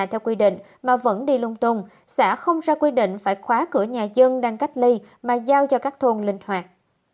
theo quy định mà vẫn đi lung tung xã không ra quy định phải khóa cửa nhà dân đang cách ly mà giao cho các thôn linh hoạt